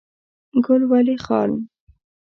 ګل ولي خان